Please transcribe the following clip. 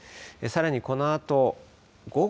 さらに、このあとです。